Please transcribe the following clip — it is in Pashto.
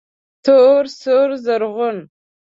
تور، سور، رزغون